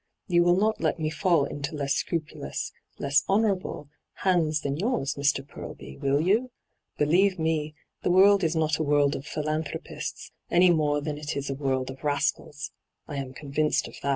You will not let me fall into less scrupulous, less honourable, hands than yours, Mr. Purlby, will you ? Believe me, the world is not a world of philanthropists, any more than it is a world of rascals — I am convinced of that.'